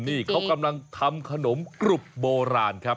นี่เขากำลังทำขนมกรุบโบราณครับ